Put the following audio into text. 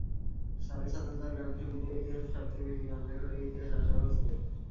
সাড়ে সাত হাজার গানসংগীতের ইতিহাসে সবচেয়ে বেশি গান রেকর্ডের ইতিহাস আশা ভোঁসলের।